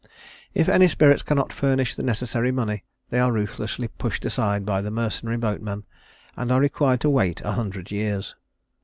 If any spirits cannot furnish the necessary money, they are ruthlessly pushed aside by the mercenary boatman and are required to wait a hundred years.